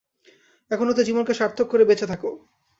এখন হতে জীবনকে সার্থক করে বেঁচে থাকো।